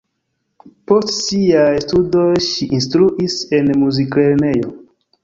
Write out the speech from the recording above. Post siaj studoj ŝi instruis en muziklernejo.